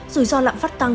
rủi ro lạm phát tăng